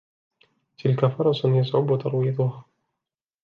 تلك فرس يصعب ترويضها.